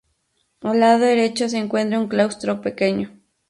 Al lado derecho se encuentra un claustro pequeño.